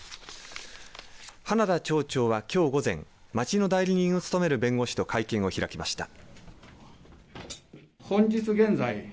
花田町長は、きょう午前町の代理人を務める弁護士と会見を開きました。